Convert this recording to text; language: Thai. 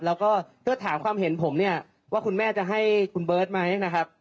แล้วก็ถ้าถามความเห็นผมเนี่ยว่าคุณแม่จะให้คุณเบิร์ตไหมนะครับ